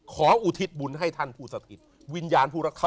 อุทิศบุญให้ท่านผู้สถิตวิญญาณผู้รักษา